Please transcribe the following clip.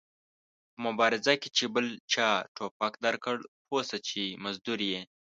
په مبارزه کې چې بل چا ټوپک درکړ پوه سه چې مزدور ېې